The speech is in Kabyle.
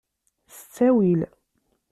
S ttawil.